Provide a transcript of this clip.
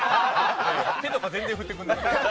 手とか全然振ってくれない。